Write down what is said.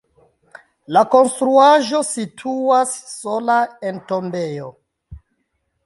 La konstruaĵo situas sola en tombejo.